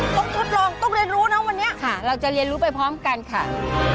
ทดลองต้องเรียนรู้นะวันนี้ค่ะเราจะเรียนรู้ไปพร้อมกันค่ะ